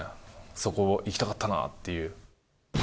そこいきたかったなという。